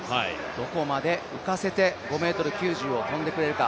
どこまで浮かせて５ｍ９０を跳んでくれるか。